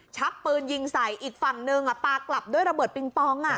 ชักปืนยิงใส่อีกฝั่งหนึ่งปลากลับด้วยระเบิดปิงปอง